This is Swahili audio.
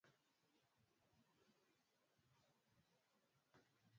Wizara imeandaa mikakati mahsusi ya kukabiliana na changamoto yoyote ile